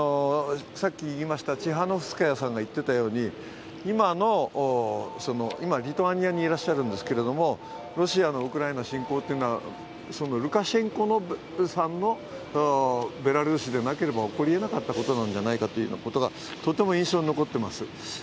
さっき言いましたチハノフスカヤさんが言っていたように、今、リトアニアにいらっしゃるんですけれども、ロシアのウクライナ侵攻というのはルカシェンコさんのベラルーシでなければ起こりえなかったことなんじゃないかということがとても印象に残っています。